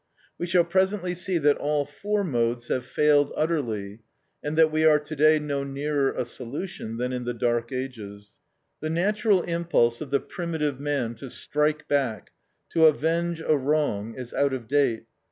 We shall presently see that all four modes have failed utterly, and that we are today no nearer a solution than in the dark ages. The natural impulse of the primitive man to strike back, to avenge a wrong, is out of date.